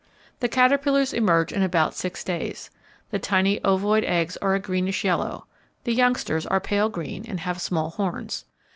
The caterpillars emerge in about six days. The tiny ovoid eggs are a greenish yellow. The youngsters are pale green, and have small horns.